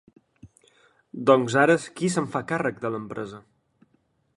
Doncs ara qui se'n fa càrrec, de l'empresa?